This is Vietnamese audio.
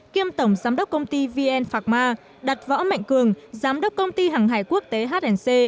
kiêm tổng giám đốc công ty vn phạc ma đặt võ mạnh cường giám đốc công ty hàng hải quốc tế hnc